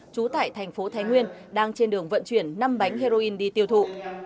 trú tại thành phố thái nguyên đang trên đường vận chuyển năm bánh heroin đi tiêu thụ